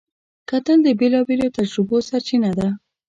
کتل د بېلابېلو تجربو سرچینه ده